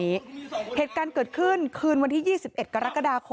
มีชายแปลกหน้า๓คนผ่านมาทำทีเป็นช่วยค่างทาง